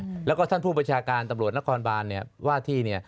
แล้วก็ท่านผู้ประชาการตำรวจนครบานเนี่ยว่าที่เนี่ย